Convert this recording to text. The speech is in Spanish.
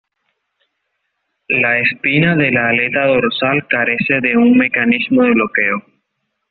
La espina de la aleta dorsal carece de un mecanismo de bloqueo.